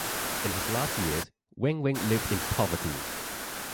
In his last years, Weng Weng lived in poverty.